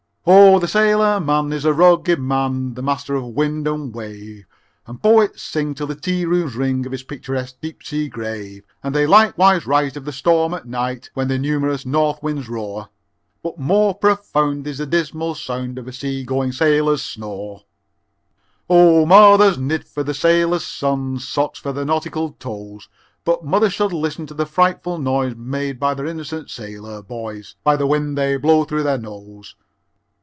Oh, the sailor man is a rugged man, The master of wind and wave, And poets sing till the tea rooms ring Of his picturesque, deep sea grave, And they likewise write of the "Storm at Night" When the numerous north winds roar, But more profound is the dismal sound Of a sea going sailor's snore. II Oh, mothers knit for their sailor sons Socks for their nautical toes, But mothers should list to the frightful noise Made by their innocent sailor boys By the wind they blow through their nose.